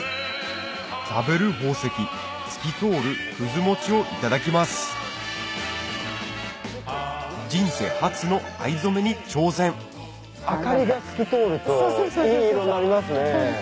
食べる宝石透き通る餅をいただきます人生初の明かりが透き通るといい色になりますね。